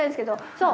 そう。